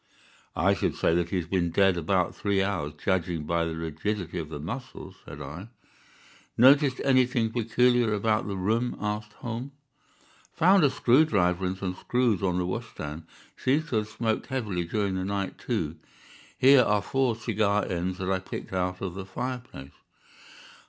"I should say that he has been dead about three hours, judging by the rigidity of the muscles," said I. "Noticed anything peculiar about the room?" asked Holmes. "Found a screw driver and some screws on the wash hand stand. Seems to have smoked heavily during the night, too. Here are four cigar ends that I picked out of the fireplace."